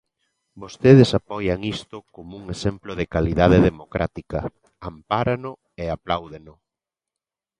Vostedes apoian isto como un exemplo de calidade democrática, ampárano e apláudeno.